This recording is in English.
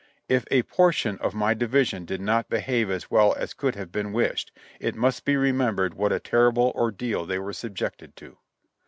If a portion of my division did not behave as well as could have been wished, it must be remembered what a terrible ordeal they were subjected to."